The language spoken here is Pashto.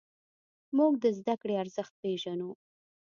موږ د زدهکړې ارزښت پېژنو.